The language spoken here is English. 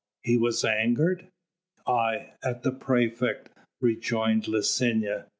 "He was angered?" "Aye! at the praefect," rejoined Licinia.